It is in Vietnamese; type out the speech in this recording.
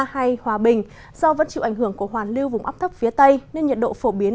hay hòa bình do vẫn chịu ảnh hưởng của hoàn lưu vùng ấp thấp phía tây nên nhiệt độ phổ biến